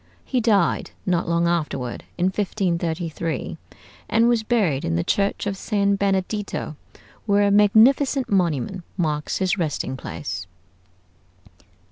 He died not long afterward, in 1533, and was buried in the church of San Benedetto, where a magnificent monument marks his resting place.